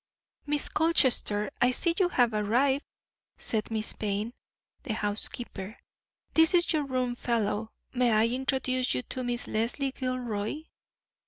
"Miss Colchester, I see you have arrived," said Miss Payne the housekeeper. "This is your room fellow; may I introduce you to Miss Leslie Gilroy?"